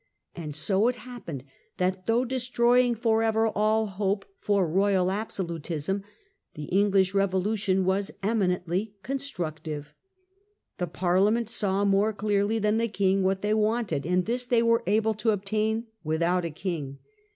And so it happened that, though destroying for ever all hope for royal absolutism, the English revolution was eminently constructive. The Parliament saw more clearly than the King what they wanted, and this they were able to obtain without a King.